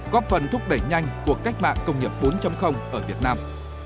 có phần thúc đẩy nhanh của cách mạng công nghiệp bốn ở việt nam